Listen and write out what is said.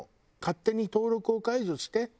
勝手に登録を解除して。